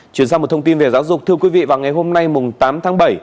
chuyển sang một thông tin về giáo dục thưa quý vị vào ngày hôm nay tám tháng bảy